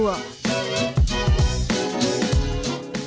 ada pun proses penjualan